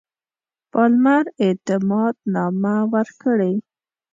پالمر اعتماد نامه ورکړي.